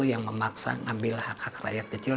yang memaksa ngambil hak hak rakyat kecil